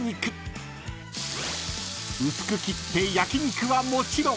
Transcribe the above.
［薄く切って焼き肉はもちろん］